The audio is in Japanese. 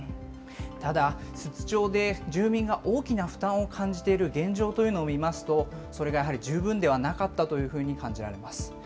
ただ、寿都町で住民が大きな負担を感じている現状というのを見ますと、それがやはり十分ではなかったというふうに感じられます。